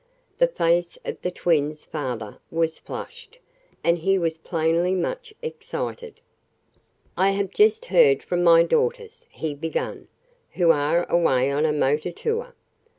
The face of the twins' father was flushed, and he was plainly much excited. "I have just heard from my daughters," he began, "who are away on a motor tour.